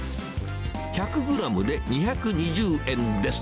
１００グラムで２２０円です。